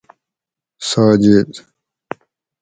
ساجد